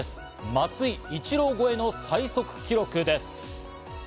松井、イチロー超えの最速記録です。